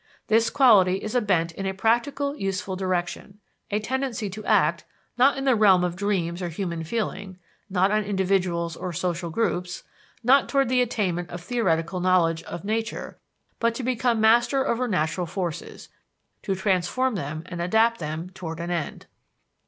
This quality is a bent in a practical, useful direction; a tendency to act, not in the realm of dreams or human feeling, not on individuals or social groups, not toward the attainment of theoretical knowledge of nature, but to become master over natural forces, to transform them and adapt them toward an end.